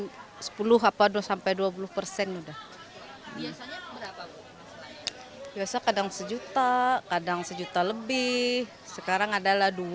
persen udah biasanya berapa biasa kadang sejuta kadang sejuta lebih sekarang adalah